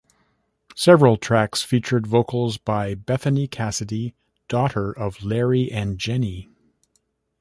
Several tracks featured vocals by Bethany Cassidy, daughter of Larry and Jenny.